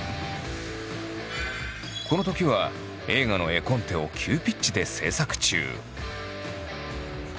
このときは映画の絵コンテを急ピッチで制作中。